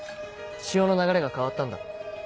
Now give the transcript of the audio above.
潮の流れが変わったんだ。